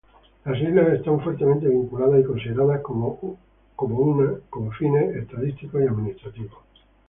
Las islas están fuertemente vinculadas y consideradas como una con fines estadísticos y administrativos.